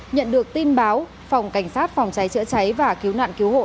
nhận được tin báo phòng cảnh sát phòng cháy chữa cháy và cứu nạn cứu hộ